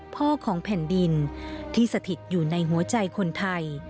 พ่อของแผ่นดินที่สถิตอยู่ในหัวใจคนไทย